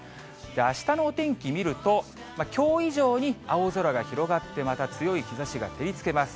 あしたのお天気見ると、きょう以上に青空が広がって、また強い日ざしが照りつけます。